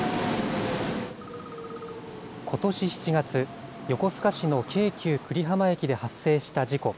ことし７月、横須賀市の京急久里浜駅で発生した事故。